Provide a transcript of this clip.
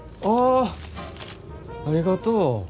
ありがとう。